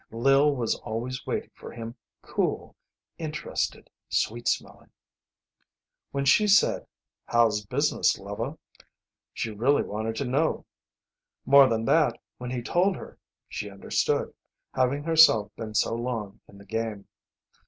Lil was always waiting for him cool, interested, sweet smelling. When she said, "How's business, lover?" she really wanted to know. More than that, when he told her she understood, having herself been so long in the game.